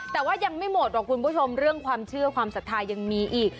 แต่ว่ายังไม่หมดหรอกคุณผู้ชมเรื่องความเชื่อความศรัทธายังมีอีก